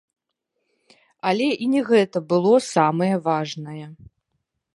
Але і не гэта было самае важнае.